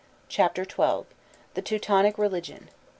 CHAPTER XII THE TEUTONIC RELIGION.